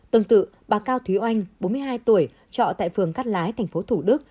tương tự bà cao thúy oanh bốn mươi hai tuổi trọ tại phường cát lái tp thủ đức